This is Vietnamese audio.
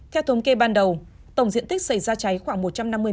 theo thống kê ban đầu tổng diện tích xảy ra cháy khoảng một trăm năm mươi m hai